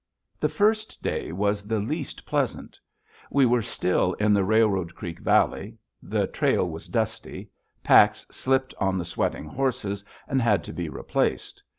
The first day was the least pleasant. We were still in the Railroad Creek Valley; the trail was dusty; packs slipped on the sweating horses and had to be replaced.